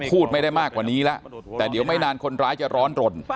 พูดไม่ได้มากกว่านี้แล้วแต่เดี๋ยวไม่นานคนร้ายจะร้อนรน